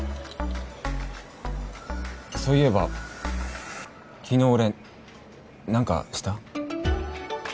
そういえば昨日俺何かした？